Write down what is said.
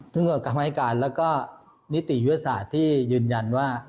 ซึ่งก็ทำให้การแล้วก็นิติวิวสาทที่ยืนยันว่า